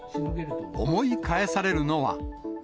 思い返されるのは。